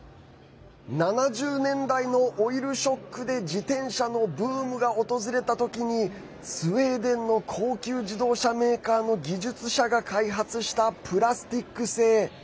７０年代のオイルショックで自転車のブームが訪れた時にスウェーデンの高級自動車メーカーの技術者が開発したプラスチック製。